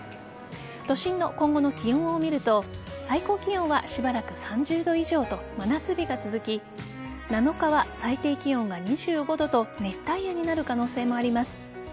都心の今後の気温を見ると最高気温はしばらく３０度以上と真夏日が続き７日は最低気温が２５度と熱帯夜になる可能性もあります。